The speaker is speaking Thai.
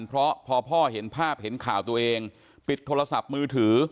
เพราะพอพ่อเห็นภาพเห็นข่าวตัวเองปิดโทรศัพท์มือถือ